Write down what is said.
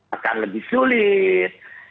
akan lebih sulit